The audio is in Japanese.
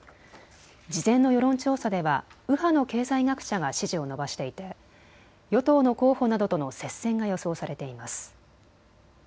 事前の世論調査では右派の経済学者が支持を伸ばしていて与党の候補などとの接戦が予想されています。